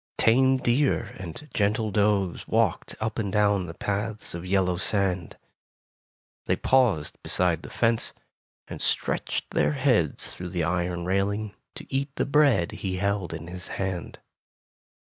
Tame deer and gentle does walked up and down the paths of yellow sand. They paused beside the fence, and stretched 54 Tales of Modern Germany their heads through the iron railing to eat the bread he held in his hand.